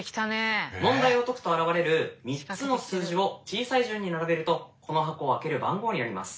問題を解くと現れる３つの数字を小さい順に並べるとこの箱を開ける番号になります。